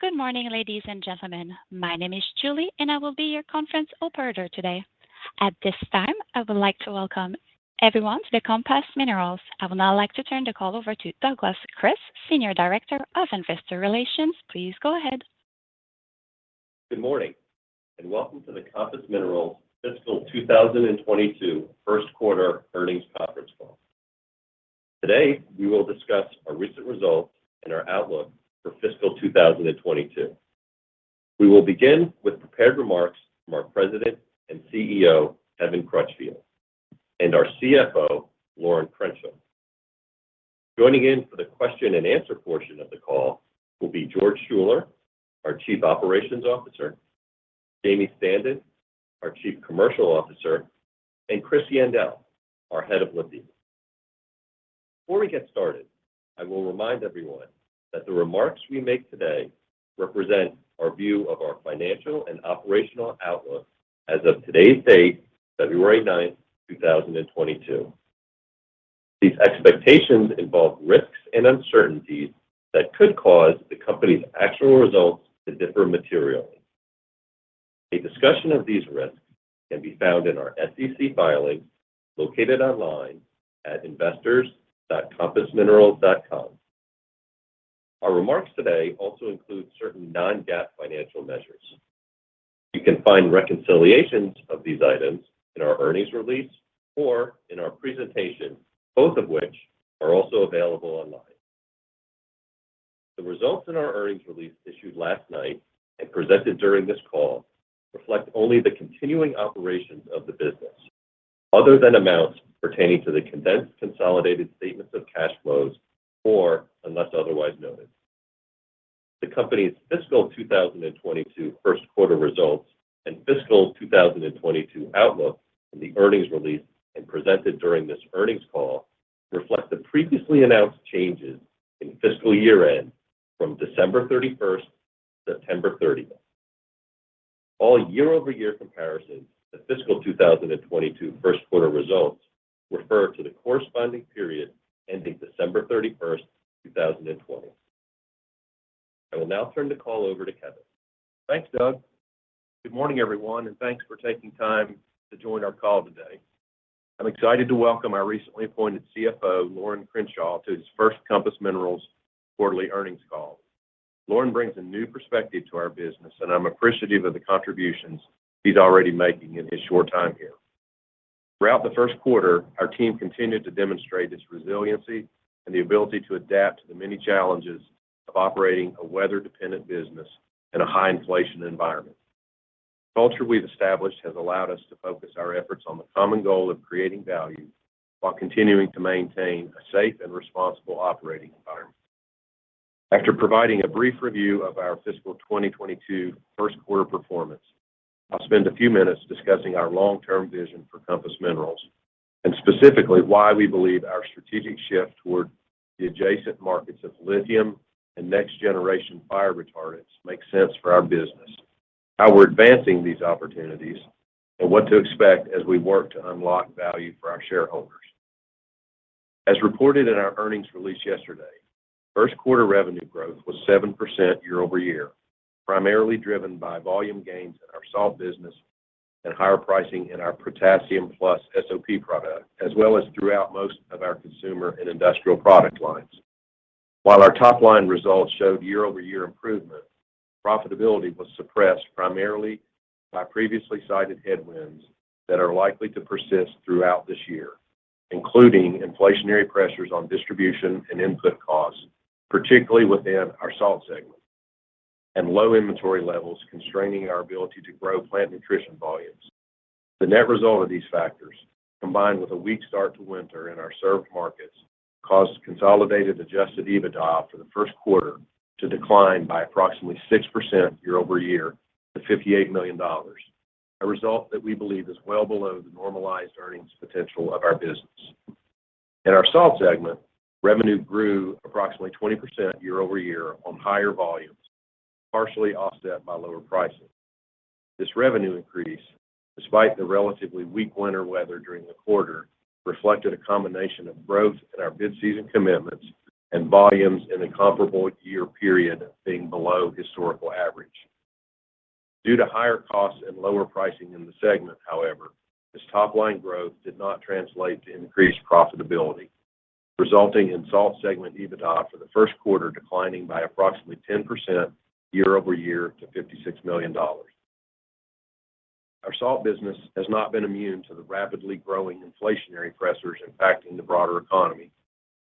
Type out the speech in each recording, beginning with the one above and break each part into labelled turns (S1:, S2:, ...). S1: Good morning, ladies and gentlemen. My name is Julie, and I will be your conference operator today. At this time, I would like to welcome everyone to the Compass Minerals. I would now like to turn the call over to Douglas Kris, Senior Director of Investor Relations. Please go ahead.
S2: Good morning, and welcome to the Compass Minerals fiscal 2022 first quarter earnings conference call. Today, we will discuss our recent results and our outlook for fiscal 2022. We will begin with prepared remarks from our President and CEO, Kevin Crutchfield, and our CFO, Lorin Crenshaw. Joining in for the question and answer portion of the call will be George Schuller, our Chief Operations Officer, Jamie Standen, our Chief Commercial Officer, and Chris Yandell, our Head of Lithium. Before we get started, I will remind everyone that the remarks we make today represent our view of our financial and operational outlook as of today's date, February nine, 2022. These expectations involve risks and uncertainties that could cause the company's actual results to differ materially. A discussion of these risks can be found in our SEC filings located online at investors.compassminerals.com. Our remarks today also include certain non-GAAP financial measures. You can find reconciliations of these items in our earnings release or in our presentation, both of which are also available online. The results in our earnings release issued last night and presented during this call reflect only the continuing operations of the business, other than amounts pertaining to the condensed consolidated statements of cash flows or unless otherwise noted. The company's fiscal 2022 first quarter results and fiscal 2022 outlook in the earnings release and presented during this earnings call reflect the previously announced changes in fiscal year-end from December 31 to September 30. All year-over-year comparisons to fiscal 2022 first quarter results refer to the corresponding period ending December 31, 2020. I will now turn the call over to Kevin.
S3: Thanks, Doug. Good morning, everyone, and thanks for taking time to join our call today. I'm excited to welcome our recently appointed CFO, Lorin Crenshaw, to his first Compass Minerals quarterly earnings call. Lorin brings a new perspective to our business, and I'm appreciative of the contributions he's already making in his short time here. Throughout the first quarter, our team continued to demonstrate its resiliency and the ability to adapt to the many challenges of operating a weather-dependent business in a high inflation environment. The culture we've established has allowed us to focus our efforts on the common goal of creating value while continuing to maintain a safe and responsible operating environment. After providing a brief review of our fiscal 2022 first quarter performance, I'll spend a few minutes discussing our long-term vision for Compass Minerals, and specifically why we believe our strategic shift toward the adjacent markets of lithium and next generation fire retardants make sense for our business, how we're advancing these opportunities, and what to expect as we work to unlock value for our shareholders. As reported in our earnings release yesterday, first quarter revenue growth was 7% year-over-year, primarily driven by volume gains in our salt business and higher pricing in our potassium+ product, as well as throughout most of our consumer and industrial product lines. While our top-line results showed year-over-year improvement, profitability was suppressed primarily by previously cited headwinds that are likely to persist throughout this year, including inflationary pressures on distribution and input costs, particularly within our Salt segment, and low inventory levels constraining our ability to grow Plant Nutrition volumes. The net result of these factors, combined with a weak start to winter in our served markets, caused consolidated adjusted EBITDA for the first quarter to decline by approximately 6% year-over-year to $58 million, a result that we believe is well below the normalized earnings potential of our business. In our Salt segment, revenue grew approximately 20% year-over-year on higher volumes, partially offset by lower prices. This revenue increase, despite the relatively weak winter weather during the quarter, reflected a combination of growth in our bid season commitments and volumes in the comparable year period being below historical average. Due to higher costs and lower pricing in the segment, however, this top-line growth did not translate to increased profitability, resulting in Salt segment EBITDA for the first quarter declining by approximately 10% year-over-year to $56 million. Our salt business has not been immune to the rapidly growing inflationary pressures impacting the broader economy.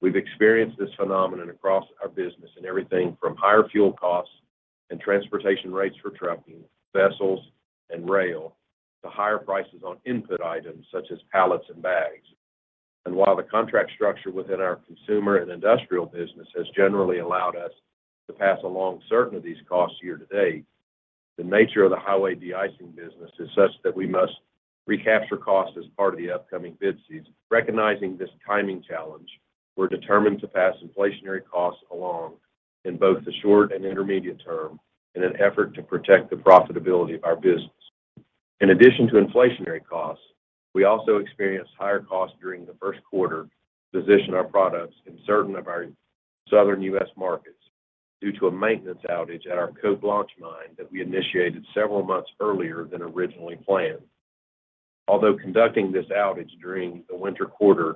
S3: We've experienced this phenomenon across our business in everything from higher fuel costs and transportation rates for trucking, vessels, and rail, to higher prices on input items such as pallets and bags. While the contract structure within our consumer and industrial business has generally allowed us to pass along certain of these costs year to date, the nature of the Highway Deicing business is such that we must recapture costs as part of the upcoming bid season. Recognizing this timing challenge, we're determined to pass inflationary costs along in both the short and intermediate term in an effort to protect the profitability of our business. In addition to inflationary costs, we also experienced higher costs during the first quarter to position our products in certain of our southern U.S. markets due to a maintenance outage at our Côte Blanche mine that we initiated several months earlier than originally planned. Although conducting this outage during the winter quarter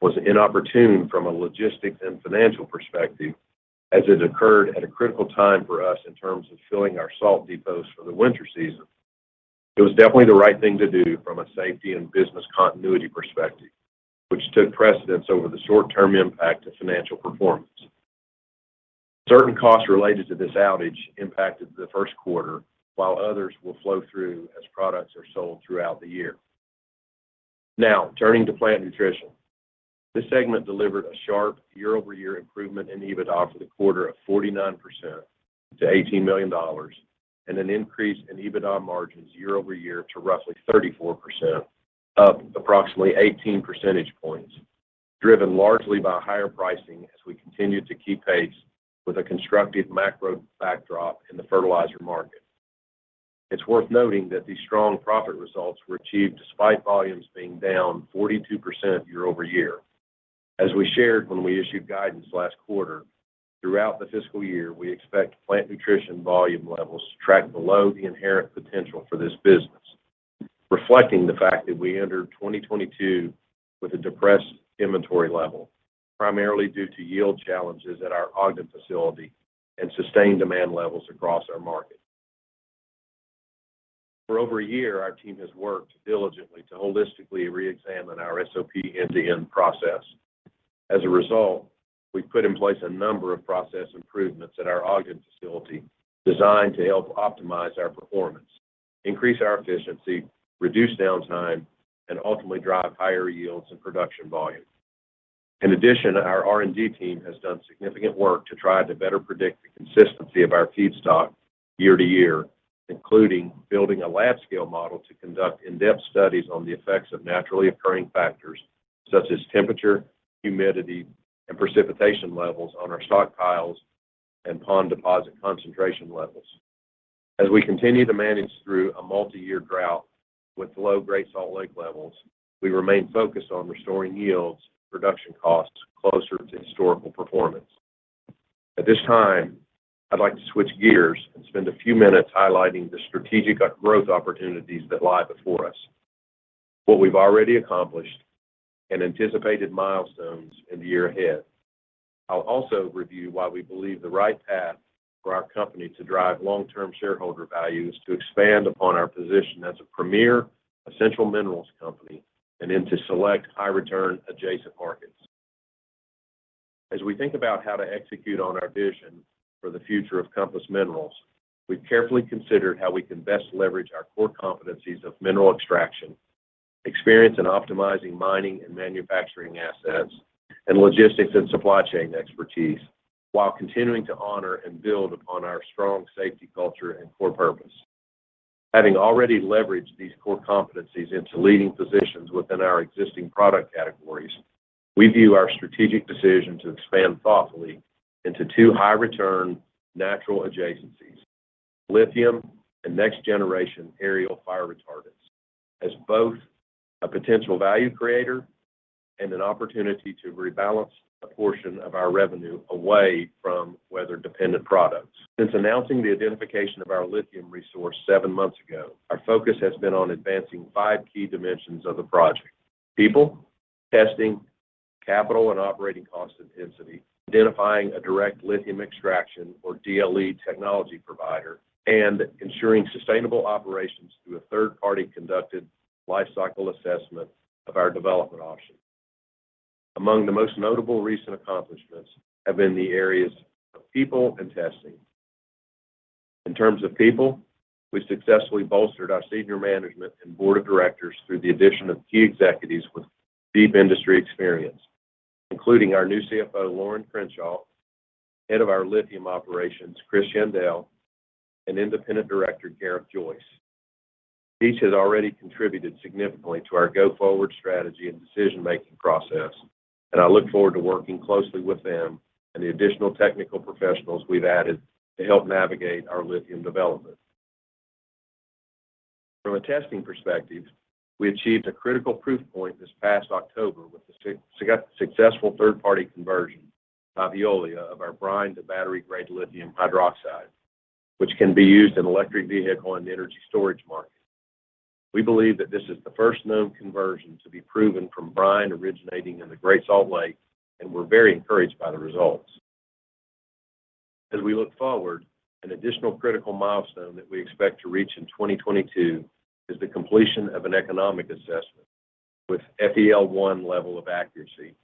S3: was inopportune from a logistics and financial perspective, as it occurred at a critical time for us in terms of filling our salt depots for the winter season, it was definitely the right thing to do from a safety and business continuity perspective, which took precedence over the short-term impact to financial performance. Certain costs related to this outage impacted the first quarter while others will flow through as products are sold throughout the year. Now, turning to Plant Nutrition. This segment delivered a sharp year-over-year improvement in EBITDA for the quarter of 49% to $18 million and an increase in EBITDA margins year-over-year to roughly 34%, up approximately 18 percentage points, driven largely by higher pricing as we continued to keep pace with a constructive macro backdrop in the fertilizer market. It's worth noting that these strong profit results were achieved despite volumes being down 42% year-over-year. As we shared when we issued guidance last quarter, throughout the fiscal year, we expect Plant Nutrition volume levels to track below the inherent potential for this business, reflecting the fact that we entered 2022 with a depressed inventory level, primarily due to yield challenges at our Ogden facility and sustained demand levels across our market. For over a year, our team has worked diligently to holistically reexamine our SOP end-to-end process. As a result, we've put in place a number of process improvements at our Ogden facility designed to help optimize our performance, increase our efficiency, reduce downtime, and ultimately drive higher yields and production volumes. In addition, our R&D team has done significant work to try to better predict the consistency of our feedstock year to year, including building a lab scale model to conduct in-depth studies on the effects of naturally occurring factors such as temperature, humidity, and precipitation levels on our stockpiles and pond deposit concentration levels. As we continue to manage through a multi-year drought with low Great Salt Lake levels, we remain focused on restoring yields and production costs closer to historical performance. At this time, I'd like to switch gears and spend a few minutes highlighting the strategic growth opportunities that lie before us, what we've already accomplished, and anticipated milestones in the year ahead. I'll also review why we believe the right path for our company to drive long-term shareholder value is to expand upon our position as a premier essential minerals company and into select high-return adjacent markets. As we think about how to execute on our vision for the future of Compass Minerals, we've carefully considered how we can best leverage our core competencies of mineral extraction, experience in optimizing mining and manufacturing assets, and logistics and supply chain expertise while continuing to honor and build upon our strong safety culture and core purpose. Having already leveraged these core competencies into leading positions within our existing product categories, we view our strategic decision to expand thoughtfully into two high-return natural adjacencies, lithium and next-generation aerial fire retardants as both a potential value creator and an opportunity to rebalance a portion of our revenue away from weather-dependent products. Since announcing the identification of our lithium resource seven months ago, our focus has been on advancing five key dimensions of the project, people, testing, capital and operating cost intensity, identifying a direct lithium extraction or DLE technology provider, and ensuring sustainable operations through a third-party conducted lifecycle assessment of our development options. Among the most notable recent accomplishments have been the areas of people and testing. In terms of people, we successfully bolstered our senior management and board of directors through the addition of key executives with deep industry experience, including our new CFO, Lorin Crenshaw, head of our lithium operations, Chris Yandell, and independent director, Gareth Joyce. Each has already contributed significantly to our go-forward strategy and decision-making process, and I look forward to working closely with them and the additional technical professionals we've added to help navigate our lithium development. From a testing perspective, we achieved a critical proof point this past October with the successful third-party conversion by Veolia of our brine to battery-grade lithium hydroxide, which can be used in electric vehicle and energy storage markets. We believe that this is the first known conversion to be proven from brine originating in the Great Salt Lake, and we're very encouraged by the results. As we look forward, an additional critical milestone that we expect to reach in 2022 is the completion of an economic assessment with FEL 1 level of accuracy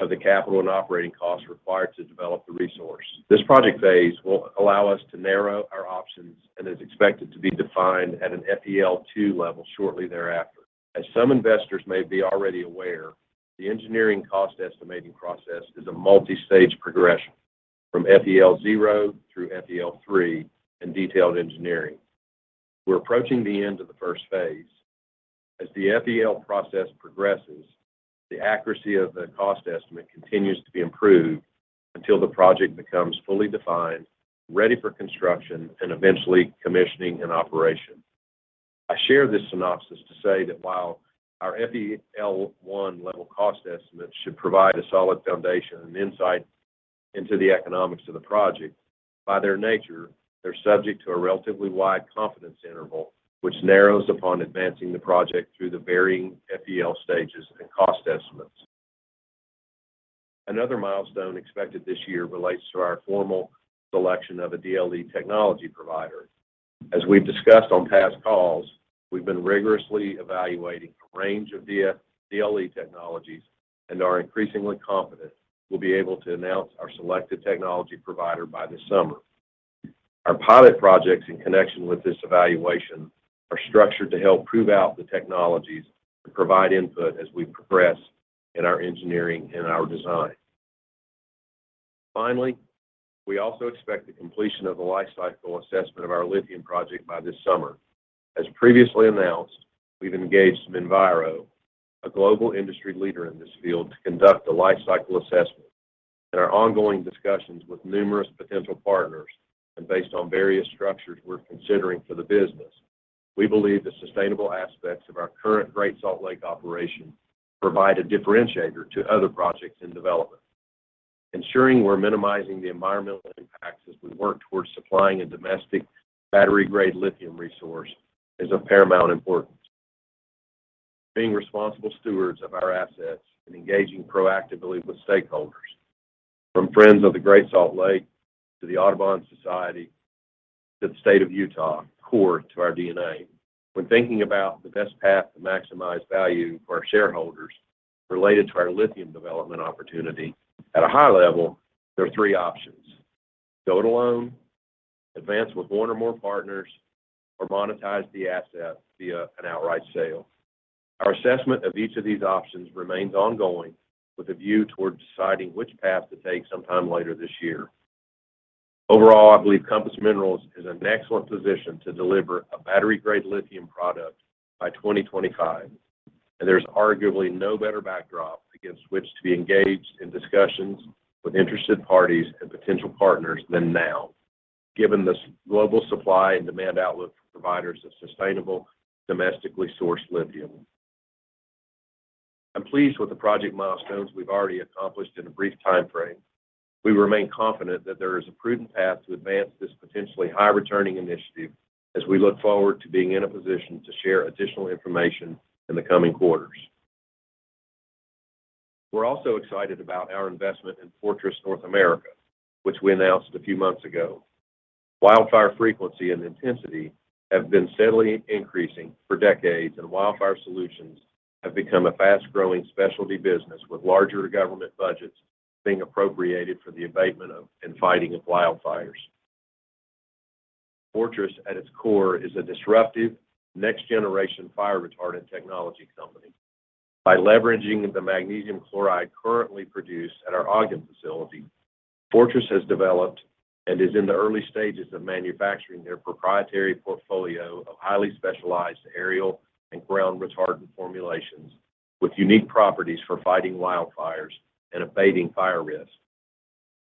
S3: of the capital and operating costs required to develop the resource. This project phase will allow us to narrow our options and is expected to be defined at an FEL 2 level shortly thereafter. As some investors may be already aware, the engineering cost estimating process is a multi-stage progression from FEL 0 through FEL 3 and detailed engineering. We're approaching the end of the first phase. As the FEL process progresses, the accuracy of the cost estimate continues to be improved until the project becomes fully defined, ready for construction, and eventually commissioning and operation. I share this synopsis to say that while our FEL 1 level cost estimate should provide a solid foundation and insight into the economics of the project, by their nature, they're subject to a relatively wide confidence interval, which narrows upon advancing the project through the varying FEL stages and cost estimates. Another milestone expected this year relates to our formal selection of a DLE technology provider. As we've discussed on past calls, we've been rigorously evaluating a range of DLE technologies and are increasingly confident we'll be able to announce our selected technology provider by this summer. Our pilot projects in connection with this evaluation are structured to help prove out the technologies and provide input as we progress in our engineering and our design. Finally, we also expect the completion of the life cycle assessment of our lithium project by this summer. As previously announced, we've engaged Minviro, a global industry leader in this field, to conduct a life cycle assessment. In our ongoing discussions with numerous potential partners and based on various structures we're considering for the business, we believe the sustainable aspects of our current Great Salt Lake operation provide a differentiator to other projects in development. Ensuring we're minimizing the environmental impacts as we work towards supplying a domestic battery-grade lithium resource is of paramount importance. Being responsible stewards of our assets and engaging proactively with stakeholders, from FRIENDS of Great Salt Lake to the Audubon Society to the state of Utah, is core to our DNA. When thinking about the best path to maximize value for our shareholders related to our lithium development opportunity at a high level, there are three options. Go it alone, advance with one or more partners, or monetize the asset via an outright sale. Our assessment of each of these options remains ongoing with a view towards deciding which path to take sometime later this year. Overall, I believe Compass Minerals is in an excellent position to deliver a battery-grade lithium product by 2025, and there's arguably no better backdrop against which to be engaged in discussions with interested parties and potential partners than now, given the global supply and demand outlook for providers of sustainable, domestically sourced lithium. I'm pleased with the project milestones we've already accomplished in a brief time frame. We remain confident that there is a prudent path to advance this potentially high-returning initiative as we look forward to being in a position to share additional information in the coming quarters. We're also excited about our investment in Fortress North America, which we announced a few months ago. Wildfire frequency and intensity have been steadily increasing for decades, and wildfire solutions have become a fast-growing specialty business with larger government budgets being appropriated for the abatement of and fighting of wildfires. Fortress, at its core, is a disruptive, next-generation fire retardant technology company. By leveraging the magnesium chloride currently produced at our Ogden facility, Fortress has developed and is in the early stages of manufacturing their proprietary portfolio of highly specialized aerial and ground retardant formulations with unique properties for fighting wildfires and abating fire risk.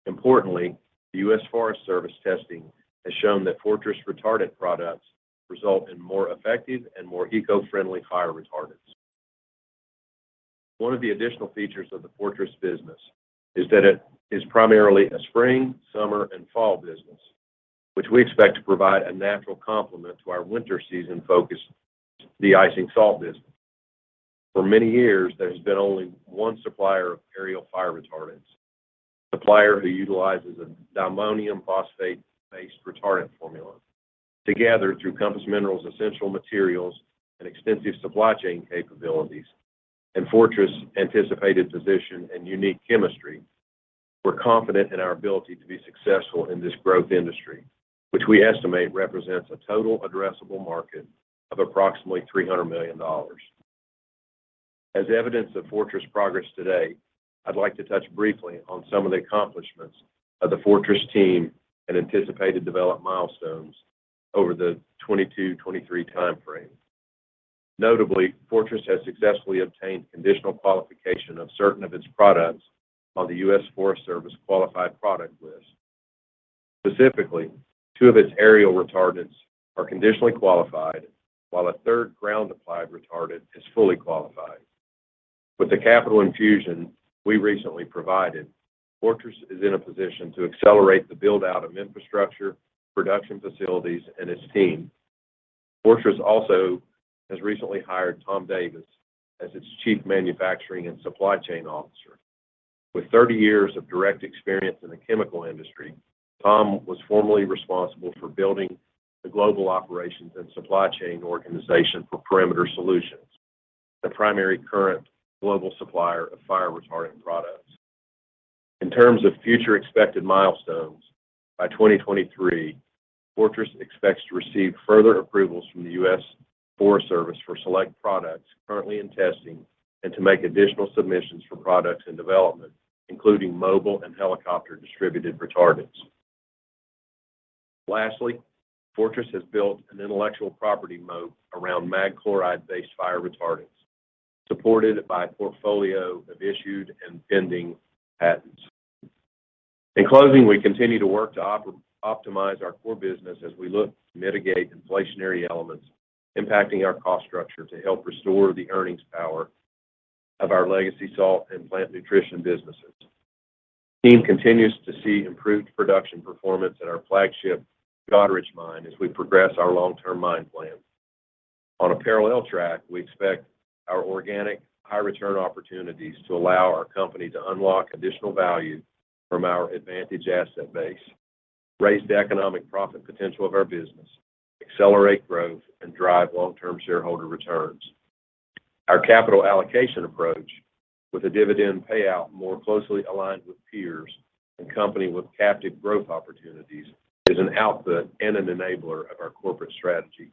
S3: Importantly, the U.S. Forest Service testing has shown that Fortress retardant products result in more effective and more eco-friendly fire retardants. One of the additional features of the Fortress business is that it is primarily a spring, summer, and fall business, which we expect to provide a natural complement to our winter season-focused de-icing salt business. For many years, there has been only one supplier of aerial fire retardants, a supplier who utilizes a diammonium phosphate-based retardant formula. Together, through Compass Minerals' essential materials and extensive supply chain capabilities and Fortress' anticipated position and unique chemistry, we're confident in our ability to be successful in this growth industry, which we estimate represents a total addressable market of approximately $300 million. As evidence of Fortress' progress today, I'd like to touch briefly on some of the accomplishments of the Fortress team and anticipated development milestones over the 2022-2023 time frame. Notably, Fortress has successfully obtained conditional qualification of certain of its products on the U.S. Forest Service Qualified Product List. Specifically, two of its aerial retardants are conditionally qualified, while a third ground-applied retardant is fully qualified. With the capital infusion we recently provided, Fortress is in a position to accelerate the build-out of infrastructure, production facilities, and its team. Fortress also has recently hired Tom Davis as its Chief Manufacturing and Supply Chain Officer. With 30 years of direct experience in the chemical industry, Tom was formerly responsible for building the global operations and supply chain organization for Perimeter Solutions, the primary current global supplier of fire retardant products. In terms of future expected milestones, by 2023, Fortress expects to receive further approvals from the U.S. Forest Service for select products currently in testing and to make additional submissions for products in development, including mobile and helicopter-distributed retardants. Lastly, Fortress has built an intellectual property moat around mag chloride-based fire retardants, supported by a portfolio of issued and pending patents. In closing, we continue to work to optimize our core business as we look to mitigate inflationary elements impacting our cost structure to help restore the earnings power of our legacy Salt and Plant Nutrition businesses. team continues to see improved production performance at our flagship Goderich Mine as we progress our long-term mine plan. On a parallel track, we expect our organic high-return opportunities to allow our company to unlock additional value from our advantaged asset base, raise the economic profit potential of our business, accelerate growth, and drive long-term shareholder returns. Our capital allocation approach, with a dividend payout more closely aligned with peers and companies with captive growth opportunities, is an output and an enabler of our corporate strategy.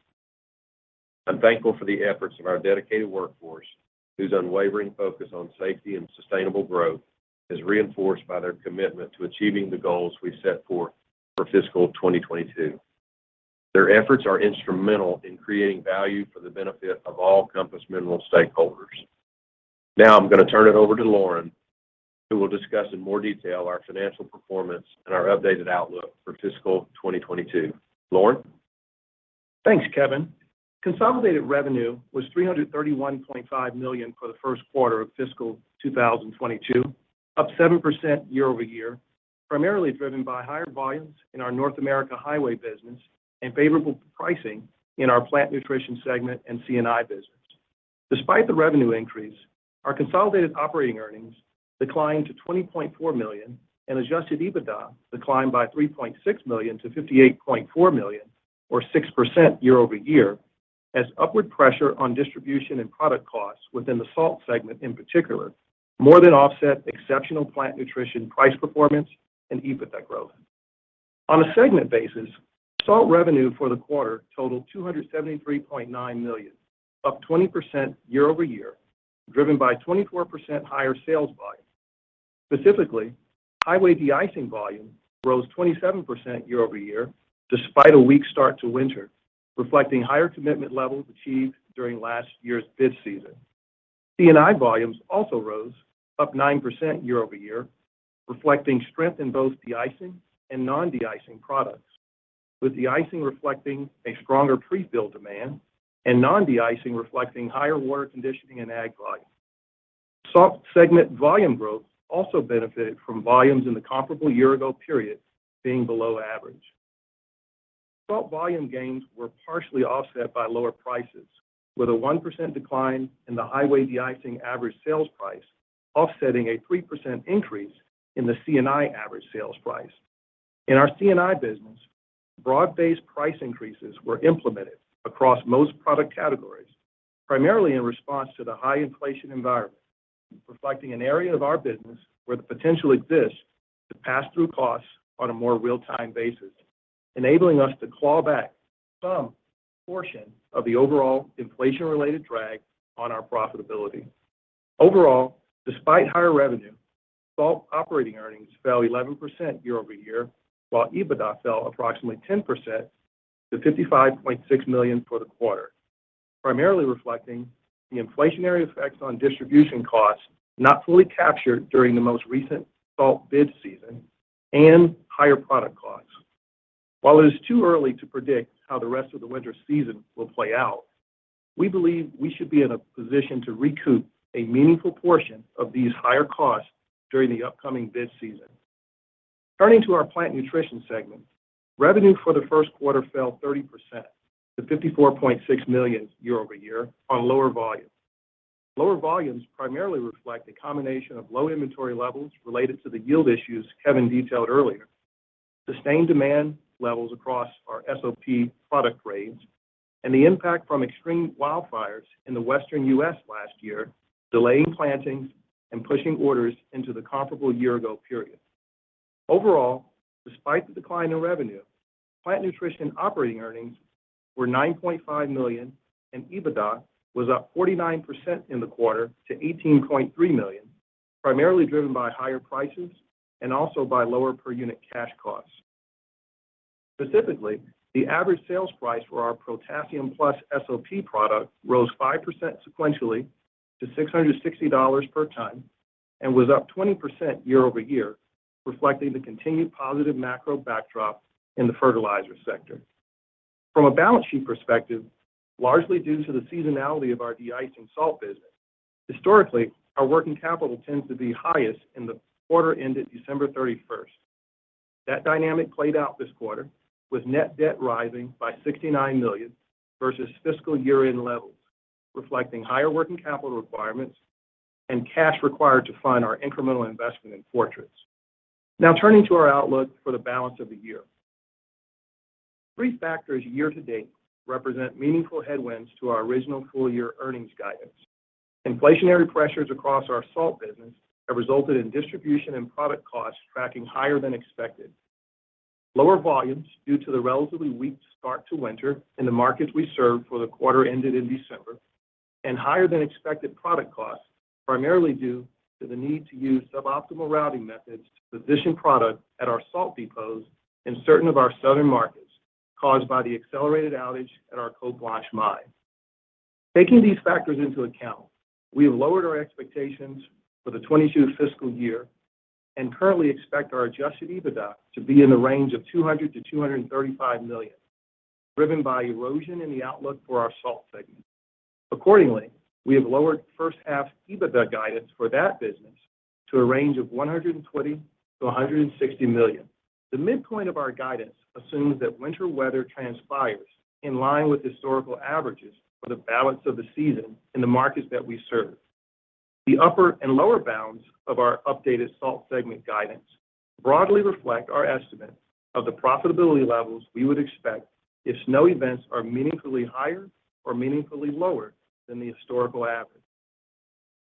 S3: I'm thankful for the efforts of our dedicated workforce, whose unwavering focus on safety and sustainable growth is reinforced by their commitment to achieving the goals we set forth for fiscal 2022. Their efforts are instrumental in creating value for the benefit of all Compass Minerals stakeholders. Now I'm gonna turn it over to Lorin, who will discuss in more detail our financial performance and our updated outlook for fiscal 2022. Lorin?
S4: Thanks, Kevin. Consolidated revenue was $331.5 million for the first quarter of fiscal 2022, up 7% year-over-year, primarily driven by higher volumes in our North America highway business and favorable pricing in our Plant Nutrition segment and C&I business. Despite the revenue increase, our consolidated operating earnings declined to $20.4 million, and adjusted EBITDA declined by $3.6 million to $58.4 million or 6% year-over-year, as upward pressure on distribution and product costs within the Salt segment in particular, more than offset exceptional Plant Nutrition price performance and EBITDA growth. On a segment basis, Salt revenue for the quarter totaled $273.9 million, up 20% year-over-year, driven by 24% higher sales volume. Specifically, Highway Deicing volume rose 27% year-over-year despite a weak start to winter, reflecting higher commitment levels achieved during last year's bid season. C&I volumes also rose, up 9% year-over-year, reflecting strength in both de-icing and non-de-icing products, with de-icing reflecting a stronger pre-build demand and non-de-icing reflecting higher water conditioning and ag volume. Salt segment volume growth also benefited from volumes in the comparable year ago period being below average. Salt volume gains were partially offset by lower prices, with a 1% decline in the Highway Deicing average sales price offsetting a 3% increase in the C&I average sales price. In our C&I business, broad-based price increases were implemented across most product categories, primarily in response to the high inflation environment, reflecting an area of our business where the potential exists to pass through costs on a more real-time basis, enabling us to claw back some portion of the overall inflation-related drag on our profitability. Overall, despite higher revenue, salt operating earnings fell 11% year-over-year, while EBITDA fell approximately 10% to $55.6 million for the quarter, primarily reflecting the inflationary effects on distribution costs not fully captured during the most recent salt bid season and higher product costs. While it is too early to predict how the rest of the winter season will play out, we believe we should be in a position to recoup a meaningful portion of these higher costs during the upcoming bid season. Turning to our Plant Nutrition segment, revenue for the first quarter fell 30% to $54.6 million year-over-year on lower volume. Lower volumes primarily reflect a combination of low inventory levels related to the yield issues Kevin detailed earlier, sustained demand levels across our SOP product range, and the impact from extreme wildfires in the Western U.S. last year, delaying plantings and pushing orders into the comparable year-ago period. Overall, despite the decline in revenue, Plant Nutrition operating earnings were $9.5 million, and EBITDA was up 49% in the quarter to $18.3 million, primarily driven by higher prices and also by lower per-unit cash costs. Specifically, the average sales price for our Protassium+ SOP product rose 5% sequentially to $660 per ton and was up 20% year-over-year, reflecting the continued positive macro backdrop in the fertilizer sector. From a balance sheet perspective, largely due to the seasonality of our deicing salt business, historically, our working capital tends to be highest in the quarter ended December 31. That dynamic played out this quarter, with net debt rising by $69 million versus fiscal year-end levels, reflecting higher working capital requirements and cash required to fund our incremental investment in Fortress. Now turning to our outlook for the balance of the year. Three factors year-to-date represent meaningful headwinds to our original full-year earnings guidance. Inflationary pressures across our salt business have resulted in distribution and product costs tracking higher than expected. Lower volumes due to the relatively weak start to winter in the markets we serve for the quarter ended in December. Higher than expected product costs, primarily due to the need to use suboptimal routing methods to position product at our salt depots in certain of our southern markets caused by the accelerated outage at our Cote Blanche mine. Taking these factors into account, we've lowered our expectations for the 2022 fiscal year and currently expect our adjusted EBITDA to be in the range of $200 million-$235 million, driven by erosion in the outlook for our salt segment. Accordingly, we have lowered first half EBITDA guidance for that business to a range of $120 million-$160 million. The midpoint of our guidance assumes that winter weather transpires in line with historical averages for the balance of the season in the markets that we serve. The upper and lower bounds of our updated Salt segment guidance broadly reflect our estimate of the profitability levels we would expect if snow events are meaningfully higher or meaningfully lower than the historical average.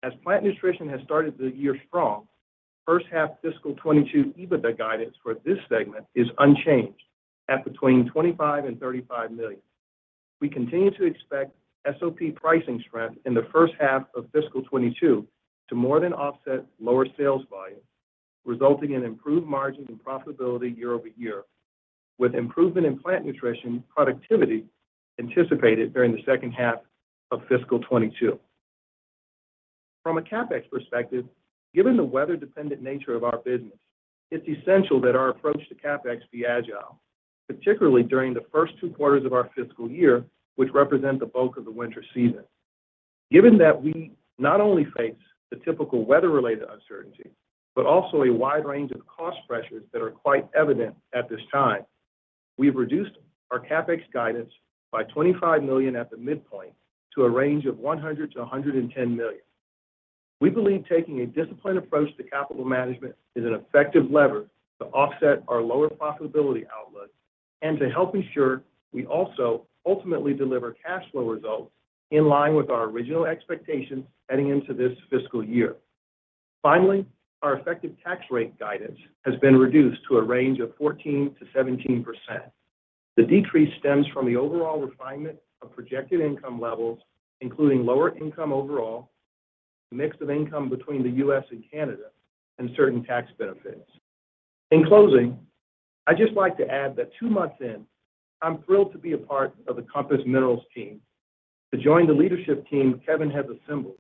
S4: As Plant Nutrition has started the year strong, first half fiscal 2022 EBITDA guidance for this segment is unchanged at between $25 million and $35 million. We continue to expect SOP pricing strength in the first half of fiscal 2022 to more than offset lower sales volume, resulting in improved margins and profitability year-over-year, with improvement in Plant Nutrition productivity anticipated during the second half of fiscal 2022. From a CapEx perspective, given the weather-dependent nature of our business, it's essential that our approach to CapEx be agile, particularly during the first two quarters of our fiscal year, which represent the bulk of the winter season. Given that we not only face the typical weather-related uncertainty, but also a wide range of cost pressures that are quite evident at this time, we've reduced our CapEx guidance by $25 million at the midpoint to a range of $100 million-$110 million. We believe taking a disciplined approach to capital management is an effective lever to offset our lower profitability outlook and to help ensure we also ultimately deliver cash flow results in line with our original expectations heading into this fiscal year. Finally, our effective tax rate guidance has been reduced to a range of 14%-17%. The decrease stems from the overall refinement of projected income levels, including lower income overall, the mix of income between the U.S. and Canada, and certain tax benefits. In closing, I'd just like to add that two months in, I'm thrilled to be a part of the Compass Minerals team, to join the leadership team Kevin has assembled,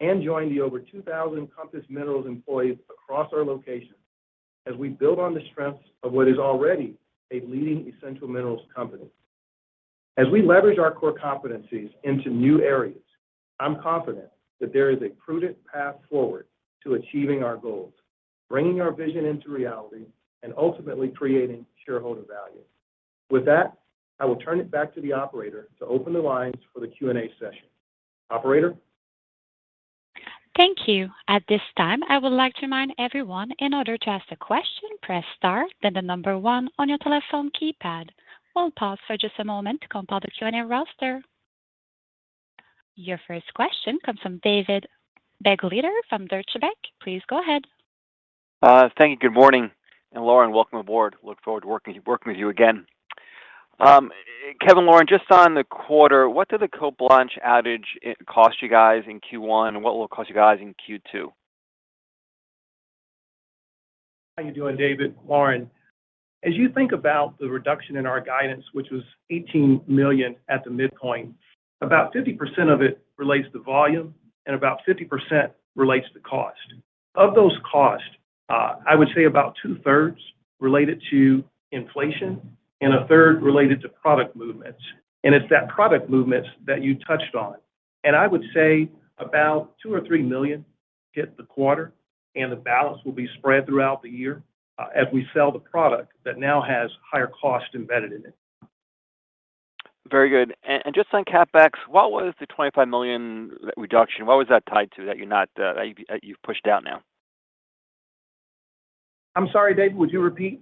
S4: and join the over 2,000 Compass Minerals employees across our locations as we build on the strengths of what is already a leading essential minerals company. As we leverage our core competencies into new areas, I'm confident that there is a prudent path forward to achieving our goals, bringing our vision into reality, and ultimately creating shareholder value. With that, I will turn it back to the operator to open the lines for the Q&A session. Operator?
S1: Thank you. At this time, I would like to remind everyone in order to ask a question, press star, then the number one on your telephone keypad. We'll pause for just a moment to compile the Q&A roster. Your first question comes from David Begleiter from Deutsche Bank. Please go ahead.
S5: Thank you. Good morning. Lorin, welcome aboard. Look forward to working with you again. Kevin, Lorin, just on the quarter, what did the Cote Blanche outage cost you guys in Q1, and what will it cost you guys in Q2?
S4: How you doing, David? Lorin. As you think about the reduction in our guidance, which was $18 million at the midpoint, about 50% of it relates to volume and about 50% relates to cost. Of those costs, I would say about two-thirds related to inflation and a third related to product movements. It's that product movements that you touched on. I would say about $2-$3 million hit the quarter and the balance will be spread throughout the year, as we sell the product that now has higher cost embedded in it.
S5: Very good. Just on CapEx, what was the $25 million reduction? What was that tied to that you've pushed out now?
S4: I'm sorry, David, would you repeat?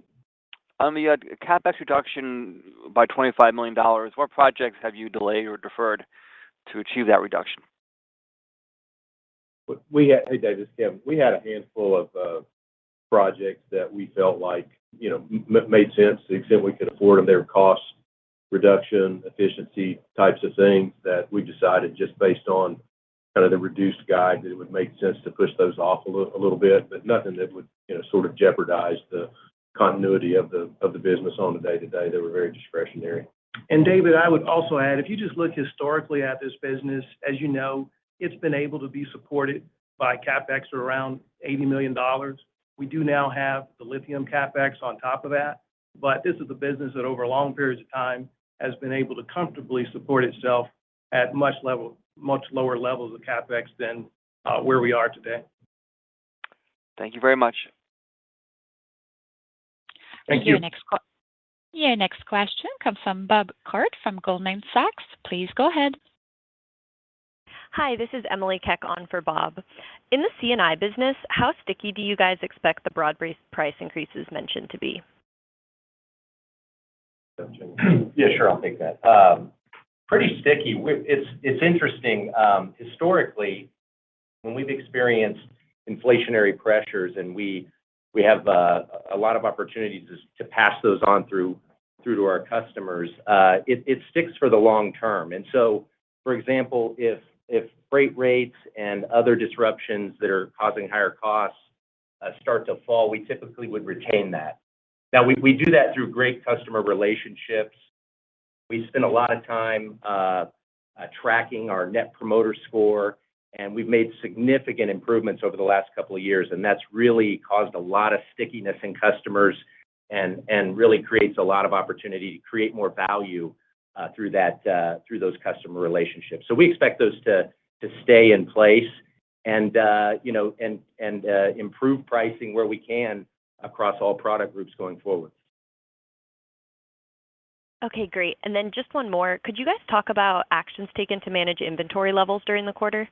S5: On the CapEx reduction by $25 million, what projects have you delayed or deferred to achieve that reduction?
S3: Hey, David, it's Kevin. We had a handful of projects that we felt like, you know, made sense to the extent we could afford them. They were cost reduction, efficiency types of things that we decided just based on kind of the reduced guide that it would make sense to push those off a little bit. Nothing that would, you know, sort of jeopardize the continuity of the business on a day-to-day. They were very discretionary. David, I would also add, if you just look historically at this business, as you know, it's been able to be supported by CapEx around $80 million. We do now have the lithium CapEx on top of that. This is the business that over long periods of time has been able to comfortably support itself at much lower levels of CapEx than where we are today.
S5: Thank you very much.
S3: Thank you.
S1: Your next question comes from Bob Koort from Goldman Sachs. Please go ahead. Hi, this is Emily Chieng on for Bob. In the C&I business, how sticky do you guys expect the broad-based price increases mentioned to be?
S3: Yeah, sure. I'll take that. Pretty sticky. It's interesting. Historically- When we've experienced inflationary pressures and we have a lot of opportunities is to pass those on through to our customers, it sticks for the long term. For example, if freight rates and other disruptions that are causing higher costs start to fall, we typically would retain that. Now, we do that through great customer relationships. We spend a lot of time tracking our Net Promoter Score, and we've made significant improvements over the last couple of years, and that's really caused a lot of stickiness in customers and really creates a lot of opportunity to create more value through those customer relationships. We expect those to stay in place and, you know, and improve pricing where we can across all product groups going forward.
S6: Okay, great. Just one more. Could you guys talk about actions taken to manage inventory levels during the quarter?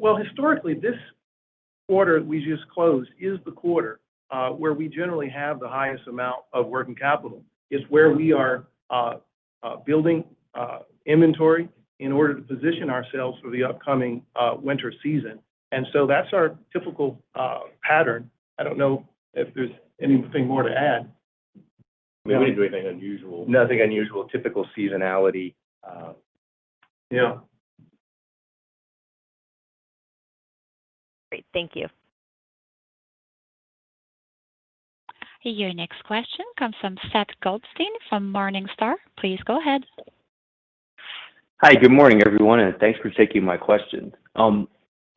S3: Well, historically, this quarter we just closed is the quarter where we generally have the highest amount of working capital. It's where we are building inventory in order to position ourselves for the upcoming winter season. That's our typical pattern. I don't know if there's anything more to add.
S7: We didn't do anything unusual.
S4: Nothing unusual. Typical seasonality. Yeah.
S6: Great. Thank you.
S1: Your next question comes from Seth Goldstein from Morningstar. Please go ahead.
S8: Hi. Good morning, everyone, and thanks for taking my question.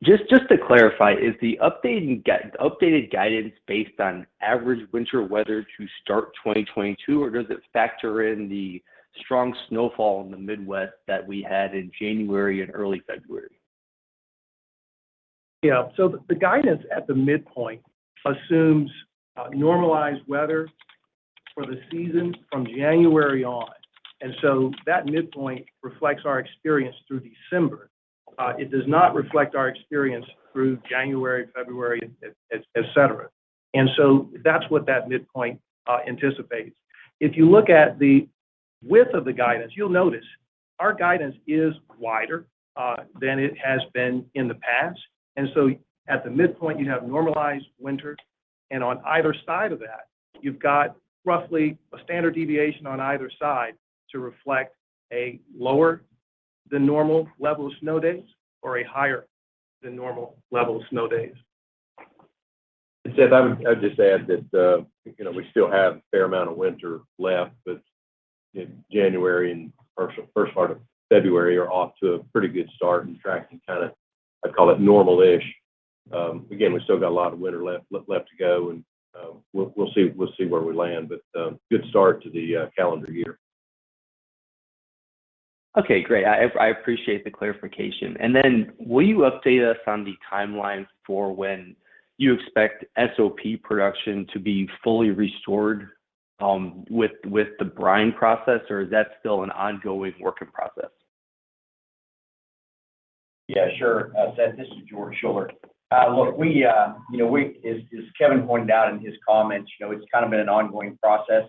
S8: Just to clarify, is the updated guidance based on average winter weather to start 2022, or does it factor in the strong snowfall in the Midwest that we had in January and early February?
S4: Yeah. The guidance at the midpoint assumes normalized weather for the season from January on. That midpoint reflects our experience through December. It does not reflect our experience through January, February, et cetera. That's what that midpoint anticipates. If you look at the width of the guidance, you'll notice our guidance is wider than it has been in the past. At the midpoint, you'd have normalized winter and on either side of that, you've got roughly a standard deviation on either side to reflect a lower than normal level of snow days or a higher than normal level of snow days.
S7: Seth, I would just add that, you know, we still have a fair amount of winter left, but in January and first part of February are off to a pretty good start and tracking kinda, I'd call it normal-ish. Again, we still got a lot of winter left to go, and we'll see where we land. Good start to the calendar year.
S8: Okay, great. I appreciate the clarification. Will you update us on the timeline for when you expect SOP production to be fully restored, with the brine process, or is that still an ongoing working process?
S9: Yeah, sure. Seth, this is George Schuller. Look, you know, as Kevin pointed out in his comments, you know, it's kind of been an ongoing process.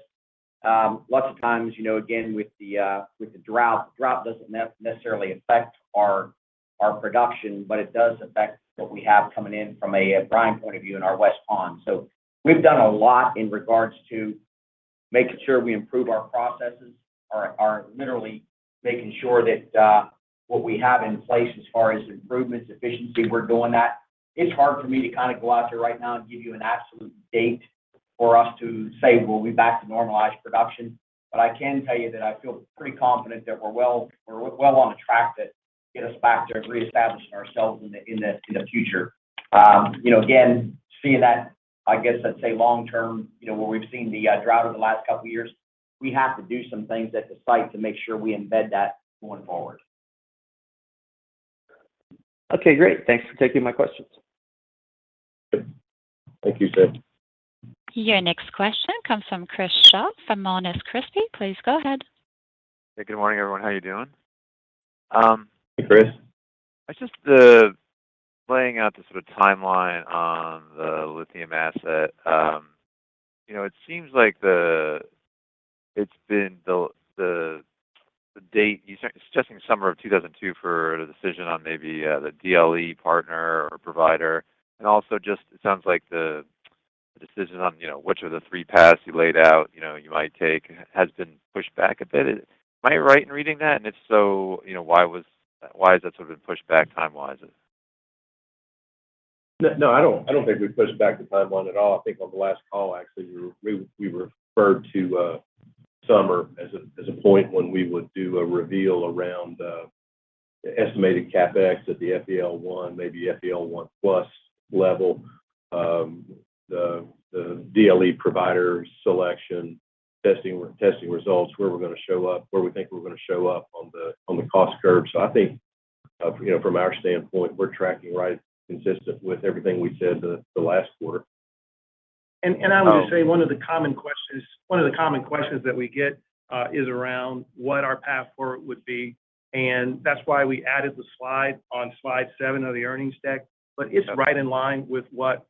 S9: Lots of times, you know, again, with the drought doesn't necessarily affect our production, but it does affect what we have coming in from a brine point of view in our west pond. So we've done a lot in regards to making sure we improve our processes. We are literally making sure that what we have in place as far as improvements, efficiency, we're doing that. It's hard for me to kinda go out there right now and give you an absolute date for us to say we'll be back to normalized production. I can tell you that I feel pretty confident that we're well on the track that get us back to reestablishing ourselves in the future. You know, again, seeing that, I guess I'd say long term, you know, where we've seen the drought over the last couple of years, we have to do some things at the site to make sure we embed that going forward.
S10: Okay, great. Thanks for taking my questions.
S4: Thank you, Seth.
S1: Your next question comes from Chris Shaw from Monness Crespi. Please go ahead.
S11: Hey, good morning, everyone. How are you doing?
S7: Hey, Chris.
S11: I was just laying out the sort of timeline on the lithium asset. It seems like the date you're suggesting, summer of 2002, for the decision on maybe the DLE partner or provider. Also just it sounds like the decision on, you know, which of the three paths you laid out, you know, you might take has been pushed back a bit. Am I right in reading that? If so, you know, why is that sort of been pushed back timewise?
S7: No, no, I don't, I don't think we pushed back the timeline at all. I think on the last call, actually, we referred to summer as a point when we would do a reveal around the estimated CapEx at the FEL 1, maybe FEL 1 plus level. The DLE provider selection, testing results, where we're gonna show up, where we think we're gonna show up on the cost curve. I think, you know, from our standpoint, we're tracking right consistent with everything we said the last quarter.
S12: I would say one of the common questions that we get is around what our path forward would be, and that's why we added the slide on slide seven of the earnings deck. It's right in line with what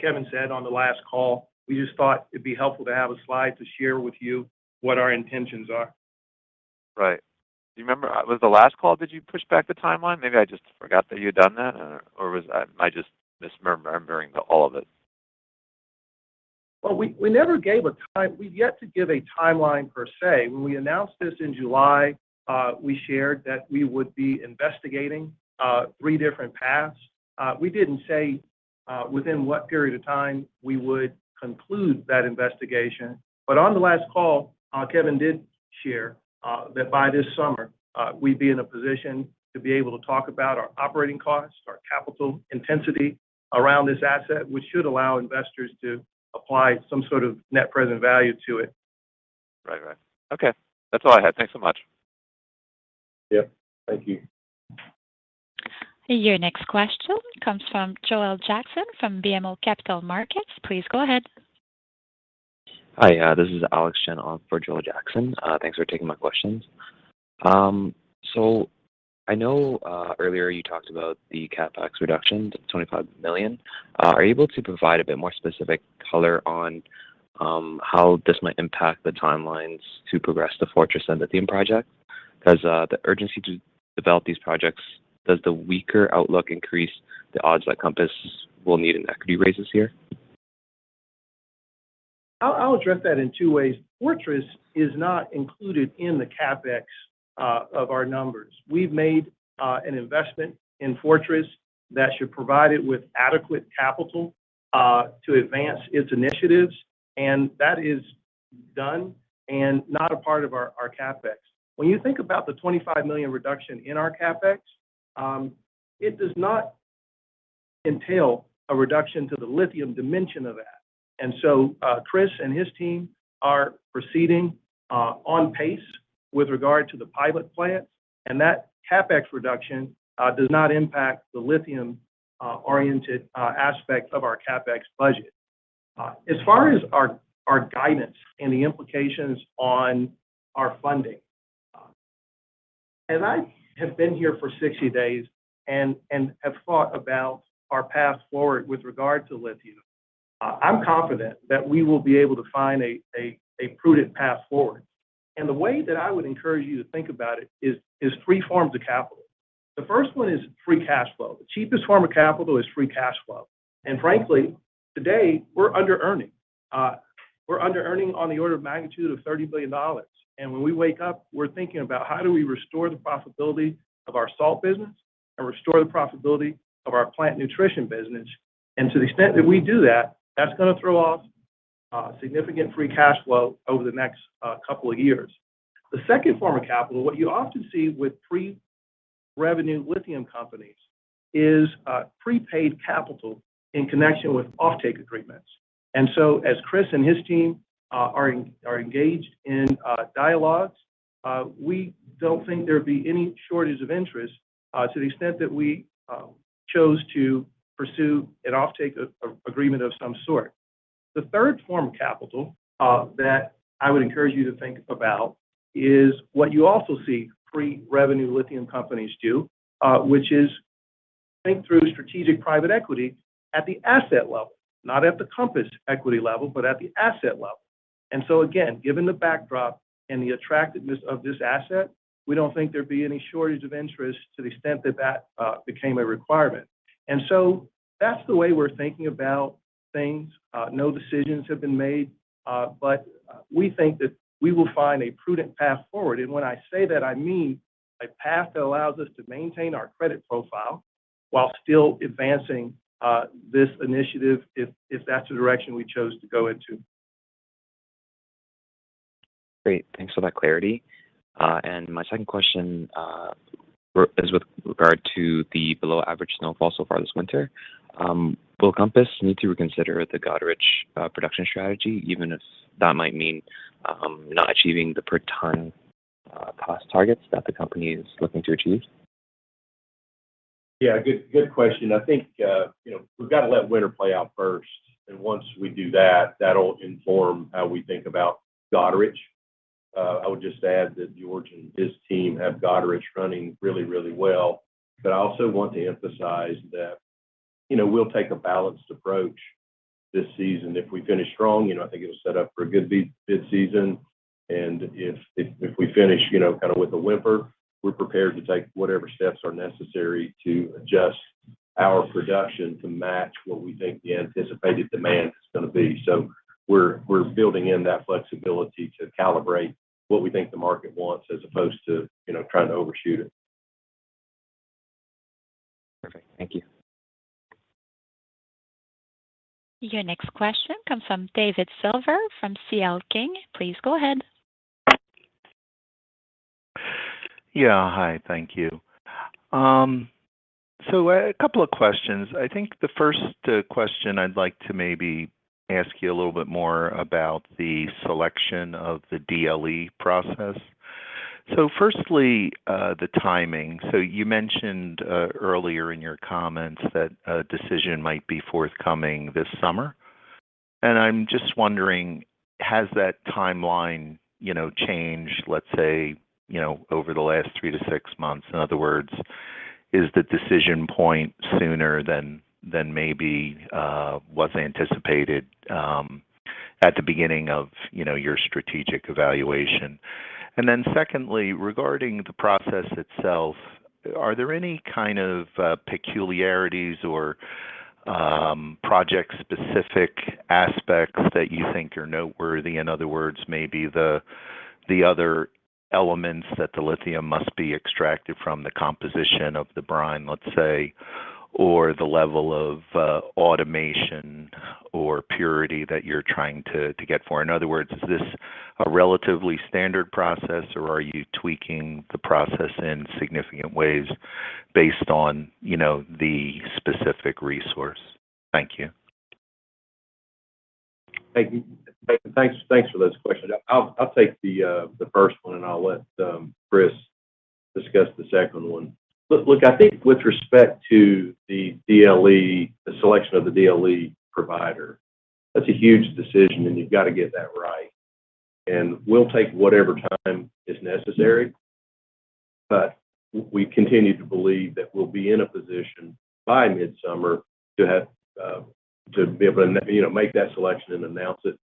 S12: Kevin said on the last call. We just thought it'd be helpful to have a slide to share with you what our intentions are.
S7: Right. Was it the last call, did you push back the timeline? Maybe I just forgot that you had done that, or am I just misremembering all of it?
S12: Well, we never gave a time. We've yet to give a timeline per se. When we announced this in July, we shared that we would be investigating three different paths. We didn't say within what period of time we would conclude that investigation. On the last call, Kevin did share that by this summer, we'd be in a position to be able to talk about our operating costs, our capital intensity around this asset, which should allow investors to apply some sort of net present value to it.
S7: Right. Right. Okay. That's all I had. Thanks so much.
S12: Yep. Thank you.
S1: Your next question comes from Joel Jackson from BMO Capital Markets. Please go ahead.
S13: Hi, this is Alex Chen on for Joel Jackson. Thanks for taking my questions. I know earlier you talked about the CapEx reduction, the $25 million. Are you able to provide a bit more specific color on how this might impact the timelines to progress the Fortress and the lithium project? Does the urgency to develop these projects, does the weaker outlook increase the odds that Compass will need an equity raises here?
S4: I'll address that in two ways. Fortress is not included in the CapEx of our numbers. We've made an investment in Fortress that should provide it with adequate capital to advance its initiatives, and that is done and not a part of our CapEx. When you think about the $25 million reduction in our CapEx, it does not entail a reduction to the lithium dimension of that. Chris and his team are proceeding on pace with regard to the pilot plant, and that CapEx reduction does not impact the lithium oriented aspect of our CapEx budget. As far as our guidance and the implications on our funding. As I have been here for 60 days and have thought about our path forward with regard to lithium, I'm confident that we will be able to find a prudent path forward. The way that I would encourage you to think about it is three forms of capital. The first one is free cash flow. The cheapest form of capital is free cash flow. Frankly, today, we're under-earning on the order of magnitude of $30 million. When we wake up, we're thinking about how do we restore the profitability of our salt business and restore the profitability of our Plant Nutrition business. To the extent that we do that's gonna throw off significant free cash flow over the next couple of years. The second form of capital, what you often see with pre-revenue lithium companies, is prepaid capital in connection with offtake agreements. As Chris and his team are engaged in dialogues, we don't think there'd be any shortage of interest to the extent that we chose to pursue an offtake agreement of some sort. The third form of capital that I would encourage you to think about is what you also see pre-revenue lithium companies do, which is think through strategic private equity at the asset level, not at the Compass equity level, but at the asset level. Again, given the backdrop and the attractiveness of this asset, we don't think there'd be any shortage of interest to the extent that became a requirement. That's the way we're thinking about things. No decisions have been made, but we think that we will find a prudent path forward. When I say that, I mean a path that allows us to maintain our credit profile while still advancing this initiative if that's the direction we chose to go into.
S13: Great. Thanks for that clarity. My second question is with regard to the below average snowfall so far this winter. Will Compass need to reconsider the Goderich production strategy, even if that might mean not achieving the per ton cost targets that the company is looking to achieve?
S4: Good question. I think, you know, we've got to let winter play out first, and once we do that'll inform how we think about Goderich. I would just add that George and his team have Goderich running really well. I also want to emphasize that, you know, we'll take a balanced approach this season. If we finish strong, you know, I think it'll set up for a good bid season. If we finish, you know, kind of with a whimper, we're prepared to take whatever steps are necessary to adjust our production to match what we think the anticipated demand is gonna be. We're building in that flexibility to calibrate what we think the market wants as opposed to, you know, trying to overshoot it.
S13: Perfect. Thank you.
S1: Your next question comes from David Silver from C.L. King. Please go ahead.
S14: Yeah. Hi, thank you. A couple of questions. I think the first question I'd like to maybe ask you a little bit more about the selection of the DLE process. Firstly, the timing. You mentioned earlier in your comments that a decision might be forthcoming this summer. I'm just wondering, has that timeline, you know, changed, let's say, you know, over the last three to six months? In other words, is the decision point sooner than maybe was anticipated at the beginning of, you know, your strategic evaluation? Then secondly, regarding the process itself, are there any kind of peculiarities or project-specific aspects that you think are noteworthy? In other words, maybe the other elements that the lithium must be extracted from the composition of the brine, let's say, or the level of automation or purity that you're trying to get for. In other words, is this a relatively standard process, or are you tweaking the process in significant ways based on, you know, the specific resource? Thank you.
S4: Thank you. Thanks for those questions. I'll take the first one, and I'll let Chris discuss the second one. Look, I think with respect to the DLE, the selection of the DLE provider, that's a huge decision, and you've got to get that right. We'll take whatever time is necessary. But we continue to believe that we'll be in a position by midsummer to be able to, you know, make that selection and announce it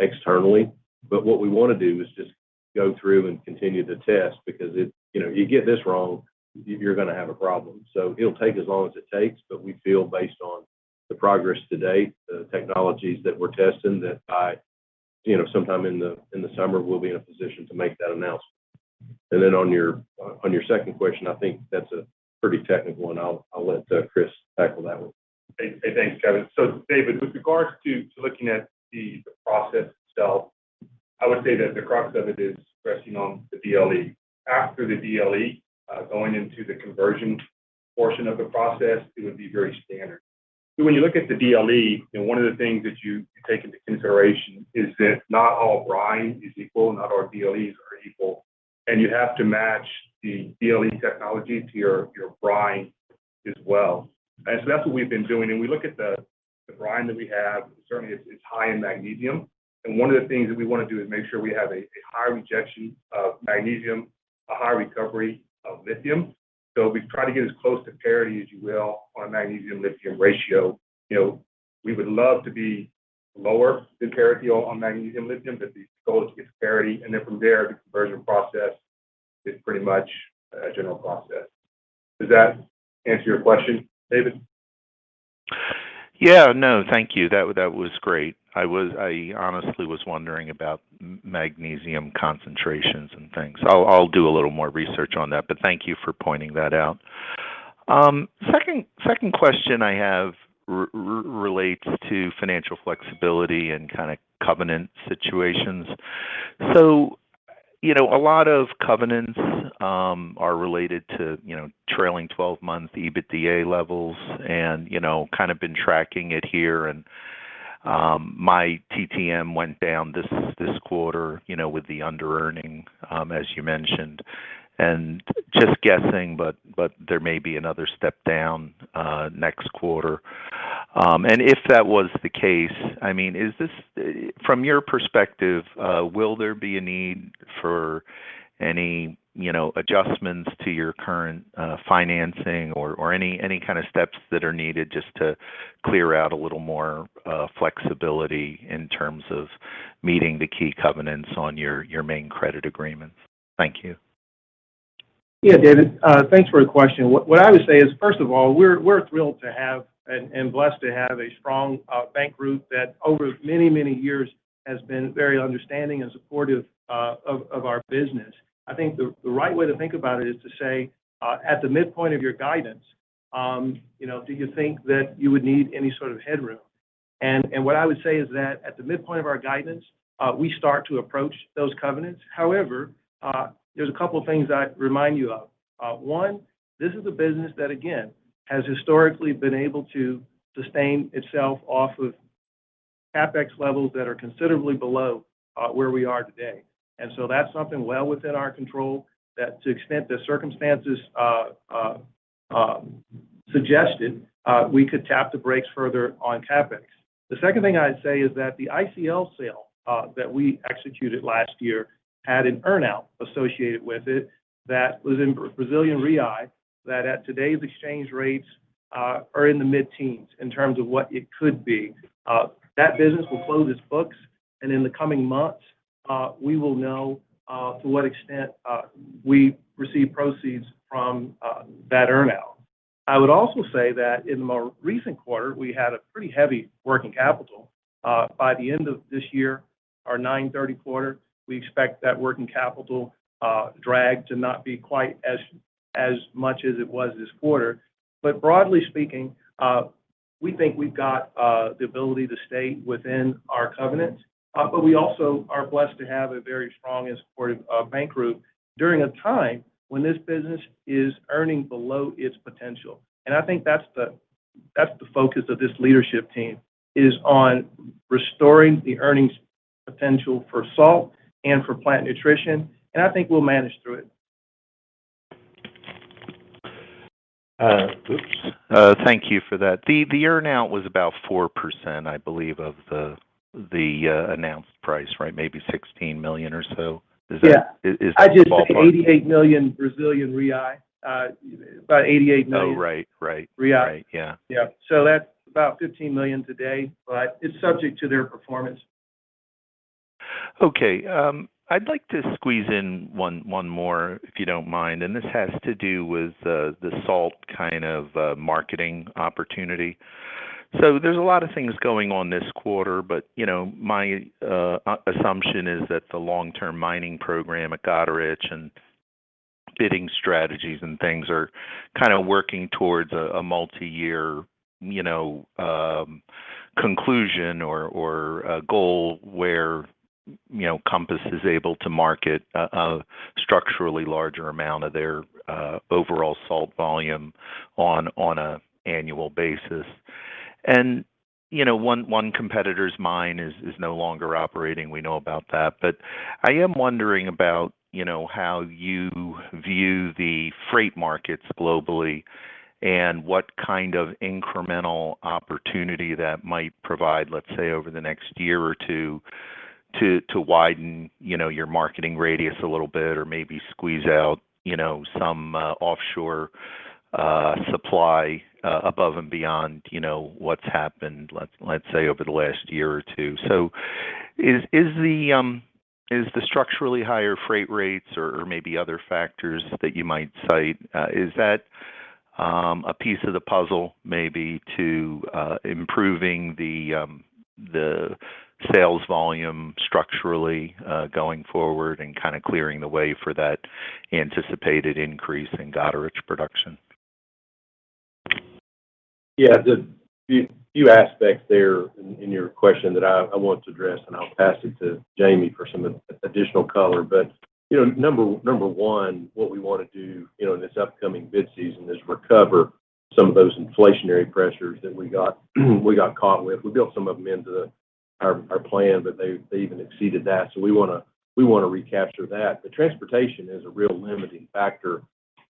S4: externally. But what we wanna do is just go through and continue to test because it. You know, you get this wrong, you're gonna have a problem. It'll take as long as it takes, but we feel based on the progress to date, the technologies that we're testing, that by sometime in the summer, we'll be in a position to make that announcement. On your second question, I think that's a pretty technical one. I'll let Chris tackle that one.
S12: Hey, hey, thanks, Kevin. David, with regards to looking at the process itself, I would say that the crux of it is resting on the DLE. After the DLE, going into the conversion portion of the process, it would be very standard. When you look at the DLE, and one of the things that you take into consideration is that not all brine is equal, not all DLEs are equal, and you have to match the DLE technology to your brine as well. That's what we've been doing. We look at the brine that we have, certainly it's high in magnesium. One of the things that we wanna do is make sure we have a high rejection of magnesium, a high recovery of lithium. We try to get as close to parity as you will on a magnesium-lithium ratio. You know, we would love to be lower than parity on magnesium-lithium, but the goal is to get parity, and then from there, the conversion process is pretty much a general process. Does that answer your question, David?
S14: Yeah, no, thank you. That was great. I honestly was wondering about magnesium concentrations and things. I'll do a little more research on that, but thank you for pointing that out. Second question I have relates to financial flexibility and kinda covenant situations. You know, a lot of covenants are related to trailing twelve-month EBITDA levels and kind of been tracking it here. My TTM went down this quarter with the underearning as you mentioned. Just guessing, but there may be another step down next quarter. If that was the case, I mean, is this? From your perspective, will there be a need for any, you know, adjustments to your current financing or any kinda steps that are needed just to clear out a little more flexibility in terms of meeting the key covenants on your main credit agreements? Thank you.
S4: Yeah, David. Thanks for the question. What I would say is, first of all, we're thrilled to have and blessed to have a strong bank group that over many years has been very understanding and supportive of our business. I think the right way to think about it is to say at the midpoint of your guidance, you know, do you think that you would need any sort of headroom? What I would say is that at the midpoint of our guidance, we start to approach those covenants. However, there's a couple of things I'd remind you of. One, this is a business that, again, has historically been able to sustain itself off of CapEx levels that are considerably below where we are today. That's something well within our control that to the extent the circumstances suggested, we could tap the brakes further on CapEx. The second thing I'd say is that the ICL sale that we executed last year had an earn-out associated with it that was in Brazilian real that at today's exchange rates are in the mid-teens in terms of what it could be. That business will close its books, and in the coming months, we will know to what extent we receive proceeds from that earn-out. I would also say that in the more recent quarter, we had a pretty heavy working capital. By the end of this year, our third quarter, we expect that working capital drag to not be quite as much as it was this quarter. Broadly speaking, we think we've got the ability to stay within our covenants, but we also are blessed to have a very strong and supportive bank group during a time when this business is earning below its potential. I think that's the focus of this leadership team is on restoring the earnings potential for Salt and for Plant Nutrition, and I think we'll manage through it.
S3: Oops.
S14: Thank you for that. The earnout was about 4%, I believe, of the announced price, right? Maybe $16 million or so. Is that-
S3: Yeah.
S14: Is that the ballpark?
S3: I just said 88 million. About 88 million.
S14: Oh, right. Right.
S3: Real.
S14: Right. Yeah.
S3: Yeah. That's about $15 million today, but it's subject to their performance.
S14: Okay. I'd like to squeeze in one more if you don't mind, and this has to do with the salt kind of marketing opportunity. There's a lot of things going on this quarter, but you know, my assumption is that the long-term mining program at Goderich and bidding strategies and things are kind of working towards a multi-year, you know, conclusion or a goal where you know, Compass is able to market a structurally larger amount of their overall salt volume on a annual basis. You know, one competitor's mine is no longer operating. We know about that. I am wondering about, you know, how you view the freight markets globally and what kind of incremental opportunity that might provide, let's say, over the next year or two to widen, you know, your marketing radius a little bit or maybe squeeze out, you know, some offshore supply above and beyond, you know, what's happened, let's say, over the last year or two. Is the structurally higher freight rates or maybe other factors that you might cite a piece of the puzzle maybe to improving the sales volume structurally going forward and kind of clearing the way for that anticipated increase in Goderich production?
S3: The few aspects there in your question that I want to address, and I'll pass it to Jamie for some additional color. You know, number one, what we wanna do, you know, in this upcoming bid season is recover some of those inflationary pressures that we got caught with. We built some of them into our plan, but they even exceeded that, so we wanna recapture that. The transportation is a real limiting factor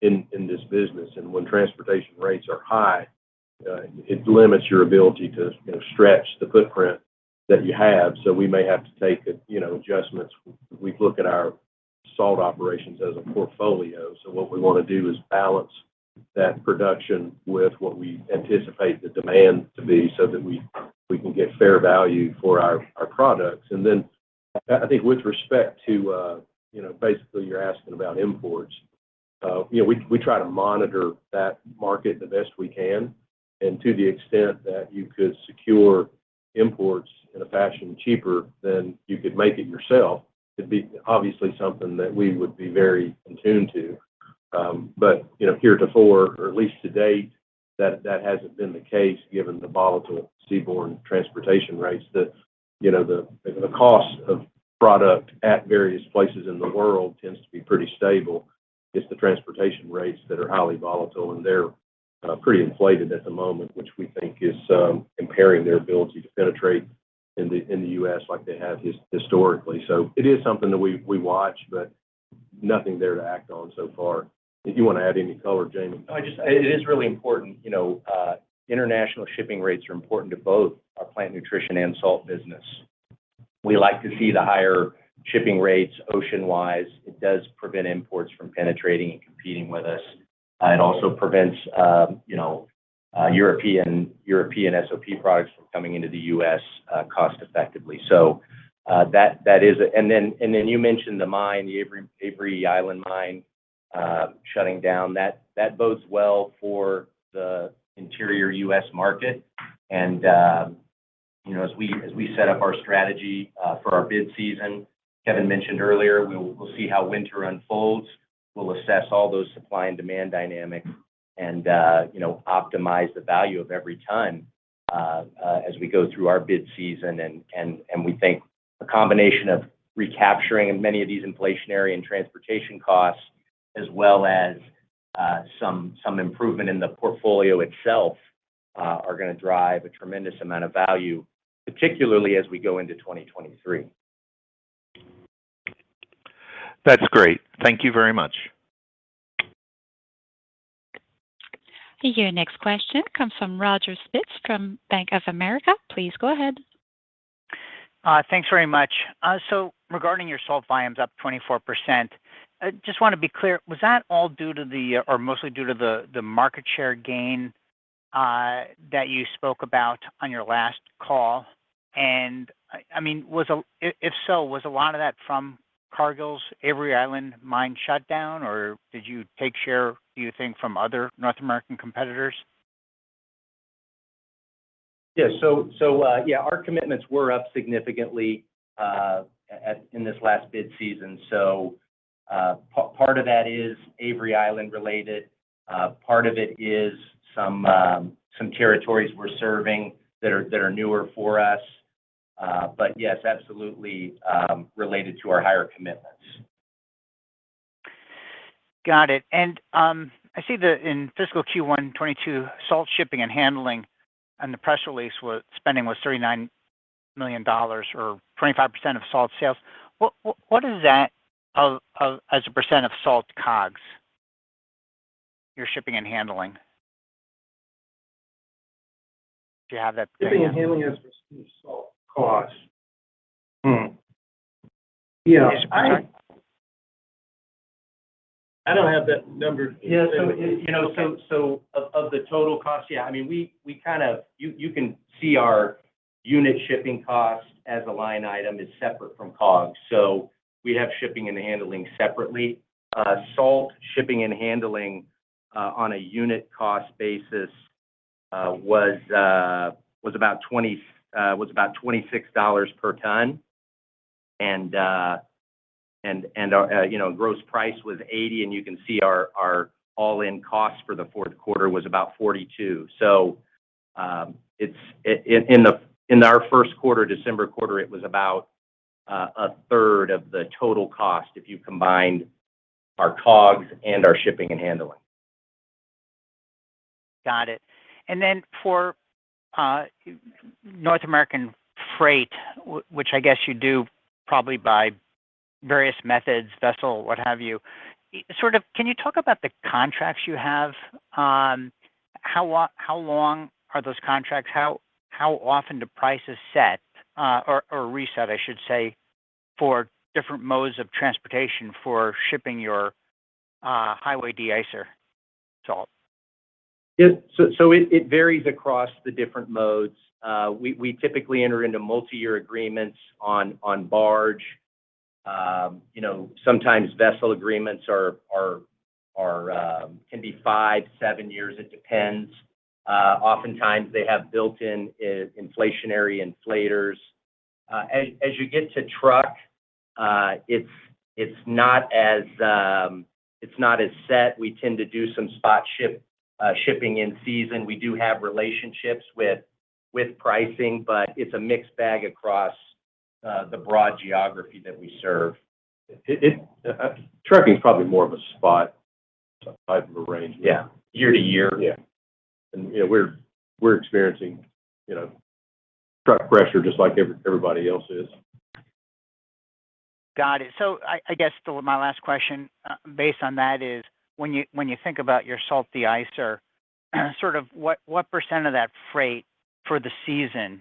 S3: in this business. When transportation rates are high, it limits your ability to, you know, stretch the footprint that you have. We may have to take, you know, adjustments. We look at our salt operations as a portfolio. What we wanna do is balance that production with what we anticipate the demand to be so that we can get fair value for our products. I think with respect to, basically you're asking about imports. We try to monitor that market the best we can, and to the extent that you could secure imports in a fashion cheaper than you could make it yourself, it'd be obviously something that we would be very in tune to. Heretofore or at least to date, that hasn't been the case given the volatile seaborne transportation rates that the cost of product at various places in the world tends to be pretty stable. It's the transportation rates that are highly volatile, and they're pretty inflated at the moment, which we think is impairing their ability to penetrate in the U.S. like they have historically. It is something that we watch, but nothing there to act on so far. If you wanna add any color, Jamie.
S7: No, it is really important. You know, international shipping rates are important to both our Plant Nutrition and Salt business. We like to see the higher shipping rates ocean-wise. It does prevent imports from penetrating and competing with us. It also prevents, you know, European SOP products from coming into the U.S., cost-effectively. That is a benefit. Then you mentioned the mine, the Avery Island mine shutting down. That bodes well for the interior U.S. market. You know, as we set up our strategy for our bid season, Kevin mentioned earlier, we'll see how winter unfolds. We'll assess all those supply and demand dynamics and optimize the value of every ton as we go through our bid season. We think a combination of recapturing in many of these inflationary and transportation costs as well as some improvement in the portfolio itself are gonna drive a tremendous amount of value, particularly as we go into 2023.
S14: That's great. Thank you very much.
S1: Thank you. Next question comes from Roger Spitz from Bank of America. Please go ahead.
S15: Thanks very much. So regarding your salt volumes up 24%, just wanna be clear. Was that all due to the, or mostly due to the market share gain that you spoke about on your last call? I mean, if so, was a lot of that from Cargill's Avery Island mine shutdown, or did you take share, do you think, from other North American competitors?
S7: Our commitments were up significantly in this last bid season. Part of that is Avery Island related. Part of it is some territories we're serving that are newer for us. Yes, absolutely, related to our higher commitments.
S15: Got it. I see in fiscal Q1 2022, salt shipping and handling on the press release spending was $39 million or 25% of salt sales. What is that of as a percent of salt COGS, your shipping and handling? Do you have that-
S3: Shipping and handling as % of salt cost.
S15: Hmm.
S3: Yeah. I don't have that number.
S7: You know, of the total cost, I mean we kind of. You can see our unit shipping cost as a line item is separate from COGS. We have shipping and handling separately. Salt shipping and handling, on a unit cost basis, was about $26 per ton. You know, gross price was $80, and you can see our all-in cost for the fourth quarter was about $42. It's in our first quarter, December quarter, it was about a third of the total cost if you combined our COGS and our shipping and handling.
S15: Got it. For North American freight, which I guess you do probably by various methods, vessel, what have you. Sort of can you talk about the contracts you have? How long are those contracts? How often do prices set or reset, I should say, for different modes of transportation for shipping your Highway Deicing salt?
S7: It varies across the different modes. We typically enter into multiyear agreements on barge. You know, sometimes vessel agreements can be 5, 7 years. It depends. Oftentimes they have built-in inflationary inflators. As you get to truck, it's not as set. We tend to do some spot shipping in season. We do have relationships with pricing, but it's a mixed bag across the broad geography that we serve.
S3: Trucking is probably more of a spot type of arrangement.
S7: Yeah. year-to-year.
S3: Yeah. You know, we're experiencing, you know, truck pressure just like everybody else is.
S15: Got it. I guess my last question, based on that, is when you think about your salt deicer, sort of what percent of that freight for the season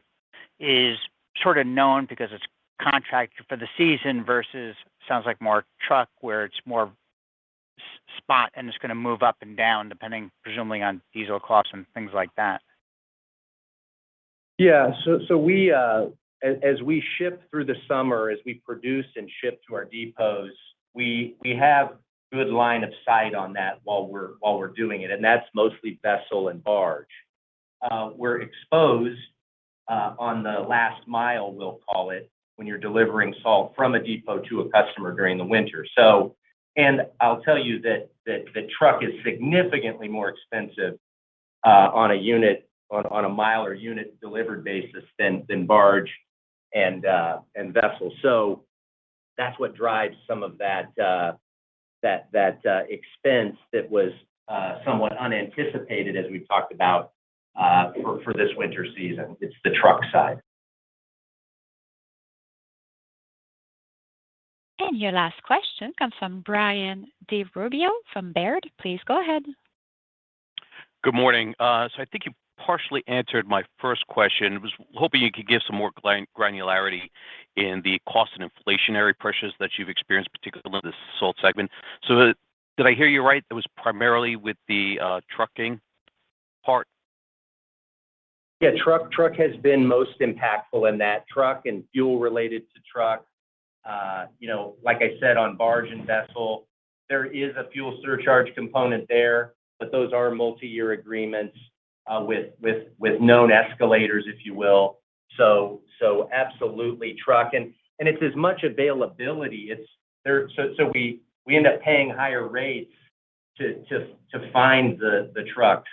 S15: is sort of known because it's contracted for the season versus sounds like more truck where it's more spot and it's gonna move up and down depending presumably on diesel costs and things like that?
S7: We ship through the summer, as we produce and ship to our depots, we have good line of sight on that while we're doing it, and that's mostly vessel and barge. We're exposed on the last mile, we'll call it, when you're delivering salt from a depot to a customer during the winter. I'll tell you that the truck is significantly more expensive on a unit, on a mile or unit delivered basis than barge and vessel. That's what drives some of that expense that was somewhat unanticipated as we've talked about for this winter season. It's the truck side.
S1: Your last question comes from Brian DiRubbio from Robert W. Baird & Co. Please go ahead.
S16: Good morning. I think you partially answered my first question. I was hoping you could give some more granularity in the cost and inflationary pressures that you've experienced, particularly in the Salt segment. Did I hear you right, it was primarily with the trucking part?
S7: Yeah. Truck has been most impactful in that truck and fuel related to truck. You know, like I said, on barge and vessel, there is a fuel surcharge component there, but those are multi-year agreements with known escalators, if you will. Absolutely truck. It's as much availability. We end up paying higher rates to find the trucks.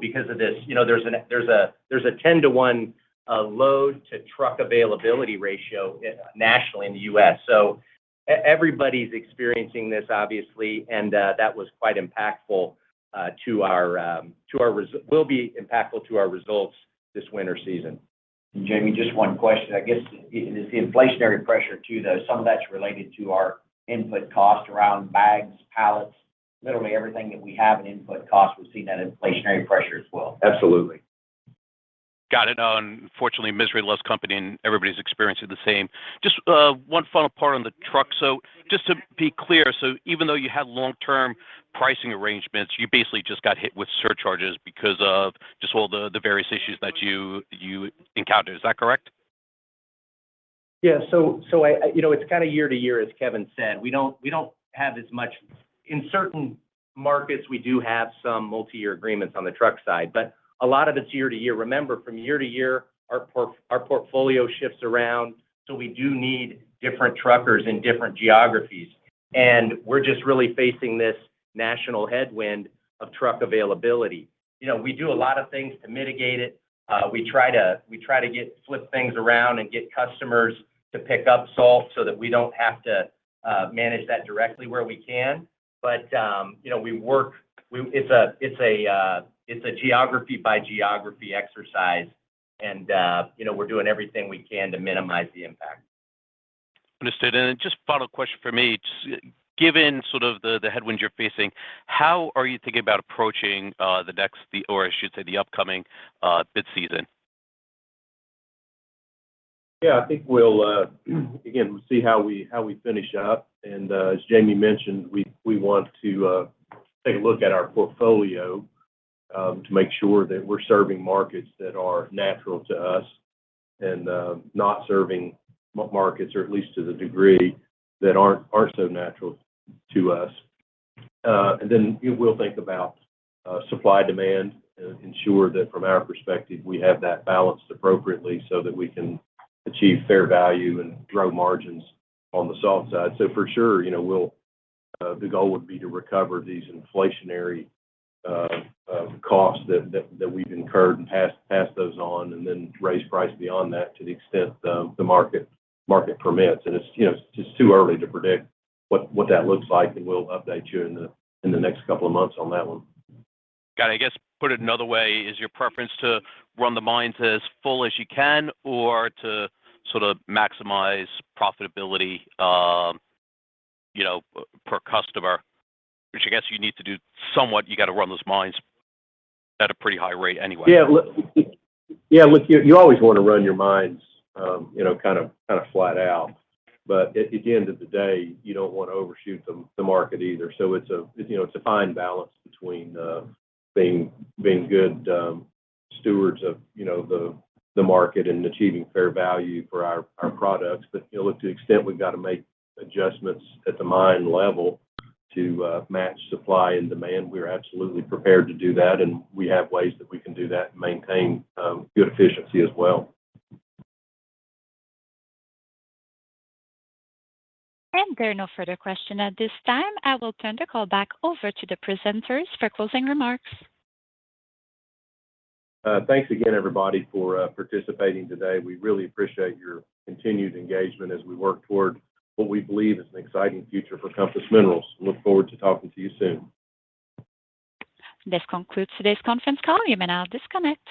S7: Because of this, you know, there's a 10-to-1 load to truck availability ratio nationally in the U.S. Everybody's experiencing this obviously, and that will be quite impactful to our results this winter season.
S3: Jamie, just one question. I guess the inflationary pressure too, though, some of that's related to our input cost around bags, pallets. Literally everything that we have in input cost, we've seen that inflationary pressure as well.
S7: Absolutely.
S16: Got it. Fortunately, misery loves company, and everybody's experiencing the same. Just, one final part on the truck. Just to be clear, even though you had long-term pricing arrangements, you basically just got hit with surcharges because of just all the various issues that you encountered. Is that correct?
S7: You know, it's kinda year to year, as Kevin said. We don't have as much. In certain markets we do have some multi-year agreements on the truck side, but a lot of it's year to year. Remember, from year to year, our portfolio shifts around, so we do need different truckers in different geographies. We're just really facing this national headwind of truck availability. You know, we do a lot of things to mitigate it. We try to flip things around and get customers to pick up salt so that we don't have to manage that directly where we can. You know, it's a geography by geography exercise and, you know, we're doing everything we can to minimize the impact.
S16: Understood. Just final question from me. Just given sort of the headwinds you're facing, how are you thinking about approaching the next, or I should say the upcoming, bid season?
S3: Yeah. I think we'll again see how we finish up, and as Jamie mentioned, we want to take a look at our portfolio to make sure that we're serving markets that are natural to us and not serving markets, or at least to the degree that aren't so natural to us. Then we'll think about supply and demand, ensure that from our perspective, we have that balanced appropriately so that we can achieve fair value and grow margins on the salt side. For sure, you know, the goal would be to recover these inflationary costs that we've incurred and pass those on, and then raise price beyond that to the extent the market permits. It's, you know, it's just too early to predict what that looks like, and we'll update you in the next couple of months on that one.
S16: Got it. I guess put it another way, is your preference to run the mines as full as you can or to sort of maximize profitability, you know, per customer? Which I guess you need to do somewhat, you gotta run those mines at a pretty high rate anyway.
S3: Yeah. Yeah, look, you always wanna run your mines, you know, kind of flat out. At the end of the day, you don't wanna overshoot the market either. It's a, you know, it's a fine balance between being good stewards of the market and achieving fair value for our products. You know, look, to the extent we've gotta make adjustments at the mine level to match supply and demand, we're absolutely prepared to do that, and we have ways that we can do that and maintain good efficiency as well.
S1: There are no further questions at this time. I will turn the call back over to the presenters for closing remarks.
S3: Thanks again everybody for participating today. We really appreciate your continued engagement as we work toward what we believe is an exciting future for Compass Minerals. I look forward to talking to you soon.
S1: This concludes today's conference call. You may now disconnect.